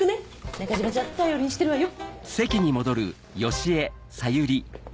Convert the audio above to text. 中嶋ちゃん頼りにしてるわよ。